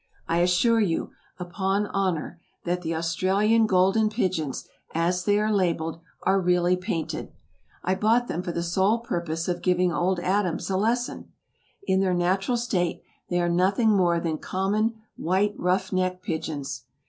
I assure you, upon honor, that the "Australian Golden Pigeons," as they are labelled, are really painted; I bought them for the sole purpose of giving Old Adams a lesson; in their natural state they are nothing more than common white ruff neck pigeons."